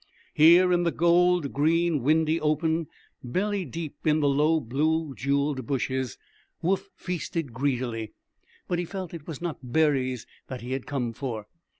Here in the gold green, windy open, belly deep in the low, blue jeweled bushes, Woof feasted greedily; but he felt it was not berries that he had come for.